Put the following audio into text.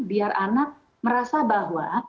biar anak merasa bahwa